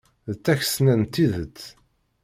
D takesna n tidet!